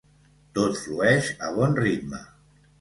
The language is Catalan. Tot flueix a bon ritme.